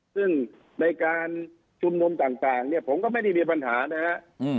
ซึ่งในการจุดนมต่างผมก็ไม่มีปัญหานะฮะ